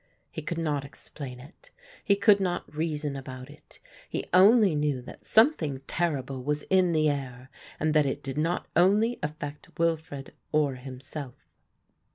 He could not explain it, he could not reason about it, he only knew that something terrible was in the air and that it did not only affect Wilfred or himself.